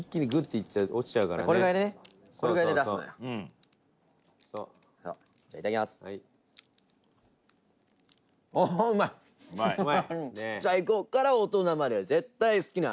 北山：ちっちゃい子から大人まで絶対好きな味。